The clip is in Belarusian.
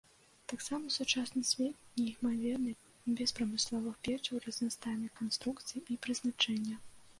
Таксама сучасны свет неймаверны без прамысловых печаў разнастайнай канструкцыі і прызначэння.